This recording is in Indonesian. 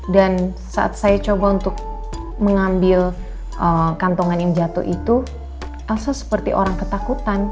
dan saat saya coba untuk mengambil kantongan yang jatuh itu elsa seperti orang ketakutan